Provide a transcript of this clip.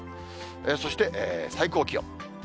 そして最高気温。